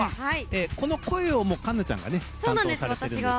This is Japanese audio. この声を環奈ちゃんが担当されているんですよね。